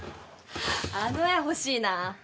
あの画欲しいな！